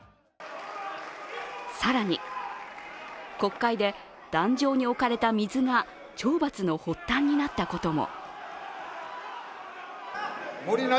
更に、国会で壇上に置かれた水が懲罰の発端になったことも。